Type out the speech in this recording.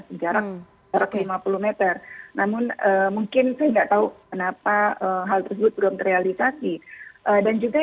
harus mampus tetap sampai kalau portret toko